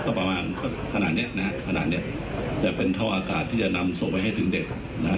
ก็ประมาณขนาดเนี้ยนะฮะขนาดเนี้ยจะเป็นท่ออากาศที่จะนำส่งไปให้ถึงเด็กนะฮะ